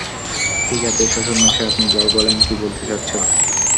ঠিক আছে, শ্বশুর মশাই আপনি যাই বলেন কী বলতে চাচ্ছ?